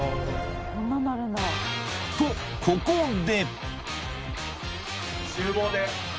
［とここで］